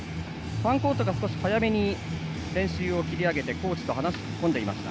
ファンコートが少し早めに練習を切り上げてコーチと話し込んでいました。